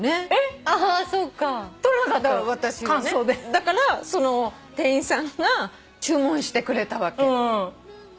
だから店員さんが注文してくれたわけ。